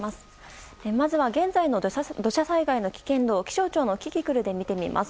まずは現在の土砂災害の危険度を気象庁のキキクルで見てみます。